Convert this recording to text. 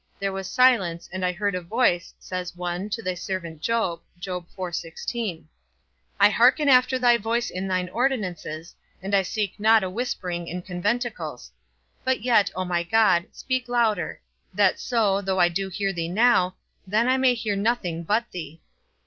There was silence, and I heard a voice, says one, to thy servant Job. I hearken after thy voice in thine ordinances, and I seek not a whispering in conventicles; but yet, O my God, speak louder, that so, though I do hear thee now, then I may hear nothing but thee.